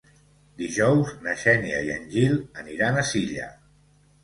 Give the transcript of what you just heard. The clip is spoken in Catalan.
Dijous na Xènia i en Gil aniran a Silla.